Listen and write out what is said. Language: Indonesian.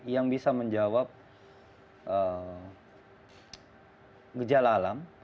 yang bisa menjawab gejala alam